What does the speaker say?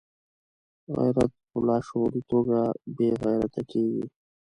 غیرت په لاشعوري توګه بې غیرته کېږي.